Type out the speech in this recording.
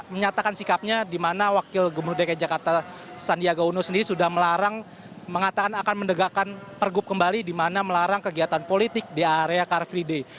menyatakan sikapnya dimana wakil gubernur dki jakarta sandiaga uno sendiri sudah melarang mengatakan akan mendegakkan pergub kembali dimana melarang kegiatan politik di area karvidei